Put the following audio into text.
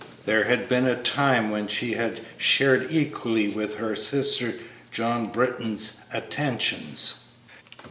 There had been a time when she had shared equally with her sister John Britton's attentions.